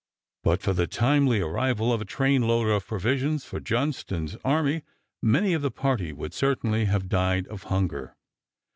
But for the timely arrival of a train load of provisions for Johnston's army many of the party would certainly have died of hunger.